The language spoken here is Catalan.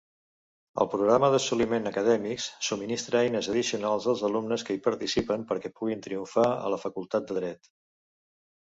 El Programa d'Assoliments Acadèmics subministra eines addicionals als alumnes que hi participen perquè puguin triomfar a la facultat de dret.